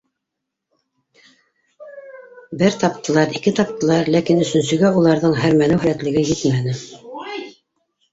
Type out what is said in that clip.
Бер таптылар, ике таптылар, ләкин өсөнсөгә уларҙың һәрмәнеү һәләтлеге етмәне.